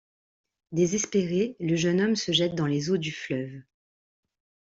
Désespéré, le jeune homme se jette dans les eaux du fleuve.